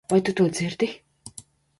Vai tu to dzirdi?